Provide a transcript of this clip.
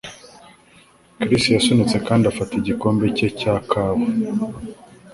Chris yasunitse kandi afata igikombe cye cya kawa.